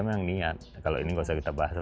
memang niat kalau ini nggak usah kita bahas